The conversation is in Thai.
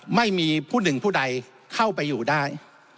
ไม่มีผู้หนึ่งผู้ใดเข้าไปอยู่ได้